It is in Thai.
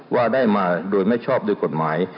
ว่าได้มาโดยไม่ชอบโดยกฎหมาย